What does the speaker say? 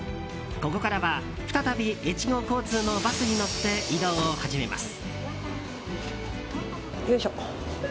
ここからは再び越後交通のバスに乗って移動を始めます。